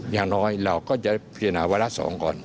อย่างน้อยเราก็จะพิจารณาวาระ๒ก่อน